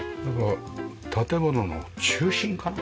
建物の中心かな？